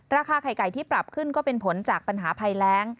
ราคาไข่ไก่ที่ปรับขึ้นก็เป็นผลจากปัญหาภัยแรง